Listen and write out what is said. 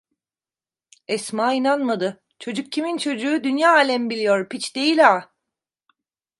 Esma inanmadı: "Çocuk kimin çocuğu? Dünya alem biliyor… Piç değil a!"